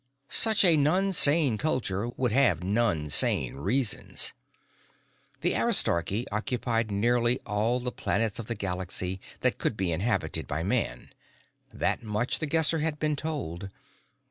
Such a non sane culture would have non sane reasons. The Aristarchy occupied nearly all the planets of the galaxy that could be inhabited by Man; that much The Guesser had been told.